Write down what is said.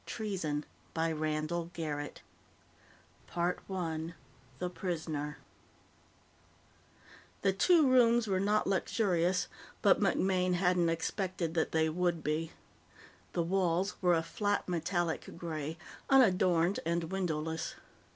TREASON By RANDALL GARRETT Illustrated by Gardner The Prisoner The two rooms were not luxurious, but MacMaine hadn't expected that they would be. The walls were a flat metallic gray, unadorned and windowless.